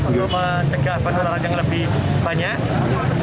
untuk mencegah penularan yang lebih banyak